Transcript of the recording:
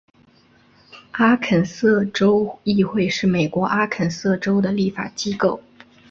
阿肯色州议会是美国阿肯色州的立法机构。